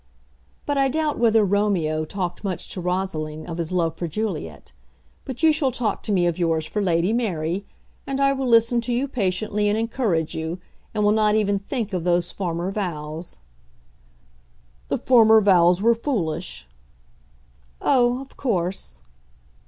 "But I doubt whether Romeo talked much to Rosaline of his love for Juliet. But you shall talk to me of yours for Lady Mary, and I will listen to you patiently and encourage you, and will not even think of those former vows." "The former vows were foolish." "Oh, of course."